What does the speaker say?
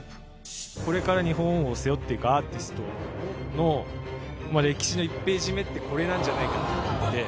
これから日本を背負っていくアーティストの歴史の１ページ目ってこれなんじゃないかなと思って。